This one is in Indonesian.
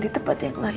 itu putri aku mas